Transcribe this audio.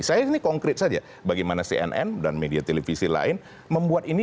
saya ini konkret saja bagaimana cnn dan media televisi lain membuat ini